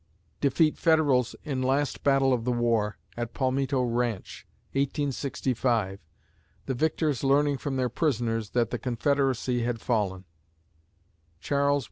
defeat Federals in last battle of the War, at Palmito Ranch, 1865, the victors learning from their prisoners that the Confederacy had fallen (Chas.